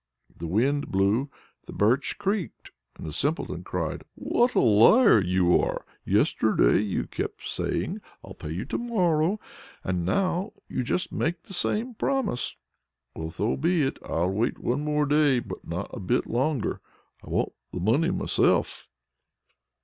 The wind blew, the Birch creaked, and the Simpleton cried: "What a liar you are! Yesterday you kept saying, 'I'll pay you to morrow,' and now you make just the same promise. Well, so be it, I'll wait one day more, but not a bit longer. I want the money myself."